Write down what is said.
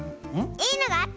いいのがあった！